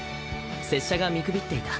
拙者が見くびっていた。